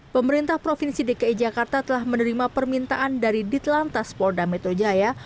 pemerintah provinsi dki jakarta telah menerima permintaan dari ditlantas polda metro jaya